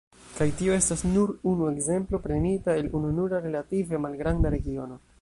Kaj tio estas nur unu ekzemplo prenita el ununura relative malgranda regiono.